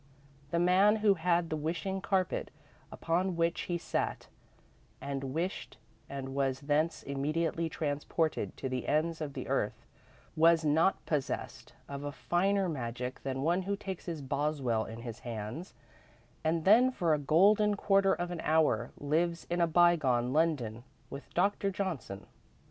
The man who had the wishing carpet, upon which he sat and wished and was thence immediately transported to the ends of the earth, was not possessed of a finer magic than one who takes his Boswell in his hands and then, for a golden quarter of an hour, lives in a bygone London with Doctor Johnson.